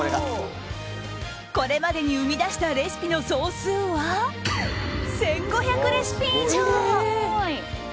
これまでに生み出したレシピの総数は１５００レシピ以上。